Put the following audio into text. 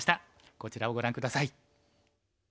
こちらをご覧下さい。